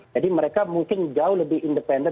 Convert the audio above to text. jadi mereka mungkin jauh lebih independen